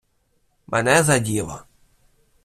Мене за діло.